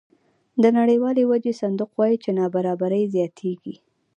د نړیوال وجهي صندوق وایي چې نابرابري زیاتېږي